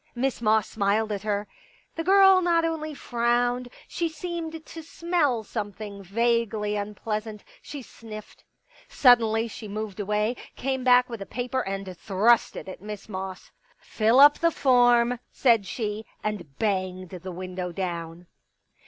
Miss Moss smiled at her. The girl not only frowned ; she seemed to smell some thing vaguely unpleasant ; she sniffed. Suddenly she moved away, came back with a paper and thrust it at Miss Moss. " Fill up the form !" said she. And banged the window down.